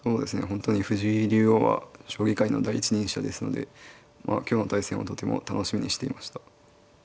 本当に藤井竜王は将棋界の第一人者ですので今日の対戦をとても楽しみにしていました。